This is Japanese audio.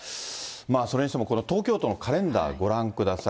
それにしてもこの東京都のカレンダー、ご覧ください。